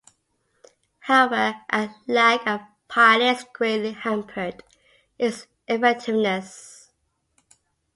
However, a lack of pilots greatly hampered its effectiveness.